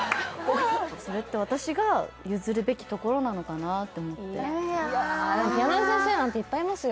それって私が譲るべきところなのかなって思っていやピアノの先生なんていっぱいいますよ